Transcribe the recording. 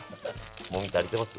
もみ足りてます？